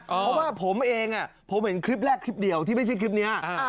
เพราะว่าผมเองผมเห็นคลิปแรกคลิปเดียวที่ไม่ใช่คลิปนี้